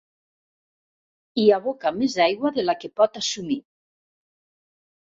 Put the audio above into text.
Hi aboca més aigua de la que pot assumir.